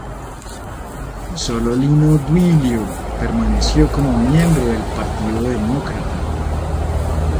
Sólo Lino Duilio permaneció como miembro del Partido Demócrata.